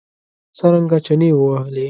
څرنګه چنې ووهلې.